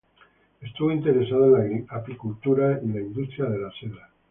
Estuvo interesado en la apicultura y la industria de la seda.